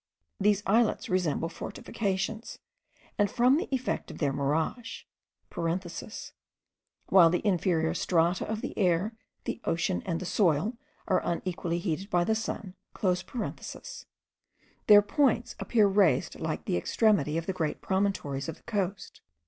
These islets resemble fortifications, and from the effect of the mirage (while the inferior strata of the air, the ocean, and the soil, are unequally heated by the sun), their points appear raised like the extremity of the great promontories of the coast.